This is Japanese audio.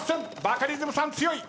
バカリズムさん強い。